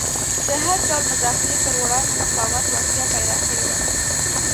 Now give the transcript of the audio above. د هر ډول مداخلې پر وړاندې مقاومت وړتیا پیدا کړې وه.